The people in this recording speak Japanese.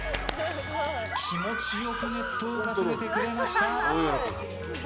気持ちよくネットをかすめてくれました。